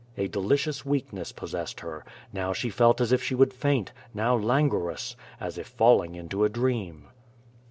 A delicious weakness possessed her; now she felt as if she would faint, now languorous, as if falling into a dream.